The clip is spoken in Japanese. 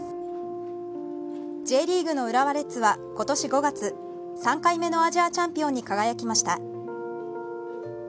Ｊリーグの浦和レッズは今年５月、３回目のアジアチャンピオンに輝きました。